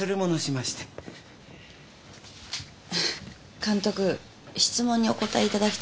質問にお答えいただきたいのですが。